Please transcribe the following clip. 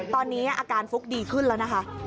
ตอนนี้อาการฟุ๊กดีขึ้นแล้วนะคะ